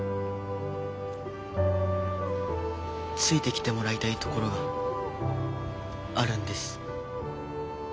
ついてきてもらいたいところがあるんです。